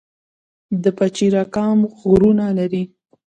د پچیر اګام غرونه لري